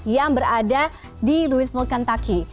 yang berada di louisville kentucky